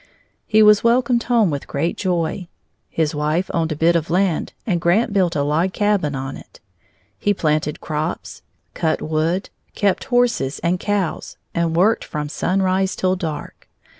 He was welcomed home with great joy. His wife owned a bit of land, and Grant built a log cabin on it. He planted crops, cut wood, kept horses and cows, and worked from sunrise till dark.